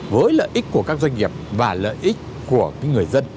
với lợi ích của các doanh nghiệp và lợi ích của người dân